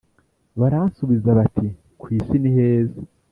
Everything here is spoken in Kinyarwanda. Baransubiza bati ku isi niheza